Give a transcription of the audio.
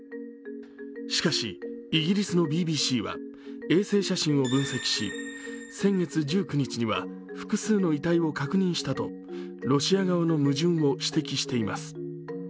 しかし、イギリスのＢＢＣは衛星写真を分析し先月１９日には複数の遺体を確認したとロシア側の矛盾を指摘しています。